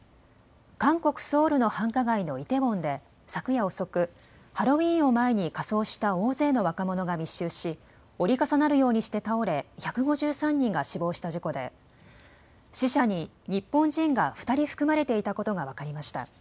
韓国・ソウルの繁華街のイテウォンで昨夜遅く、ハロウィーンを前に仮装した大勢の若者が密集し折り重なるようにして倒れ１５３人が死亡した事故で死者に日本人が２人含まれていたことが分かりました。